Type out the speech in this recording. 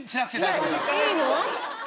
いいの？